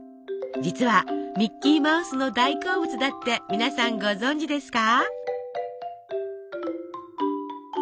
実はミッキーマウスの大好物だって皆さんご存じですか？